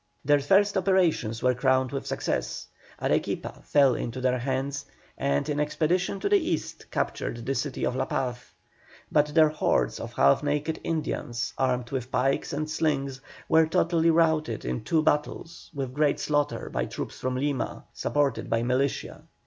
Their first operations were crowned with success. Arequipa fell into their hands, and an expedition to the east captured the city of La Paz; but their hordes of half naked Indians, armed with pikes and slings, were totally routed in two battles with great slaughter by troops from Lima, supported by militia.